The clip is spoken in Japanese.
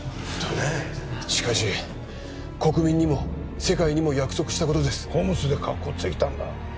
しかし国民にも世界にも約束したことですＣＯＭＳで格好ついたんだ